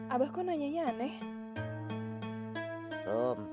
abah kau nanyanya aneh